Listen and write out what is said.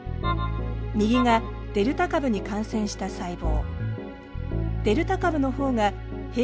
右がデルタ株に感染した細胞。